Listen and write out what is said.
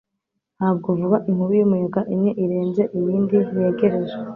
ntabwo vuba inkubi y'umuyaga imwe irenze iyindi yegereje